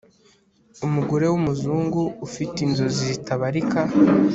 umugore wumuzungu ufite inzozi zitabarika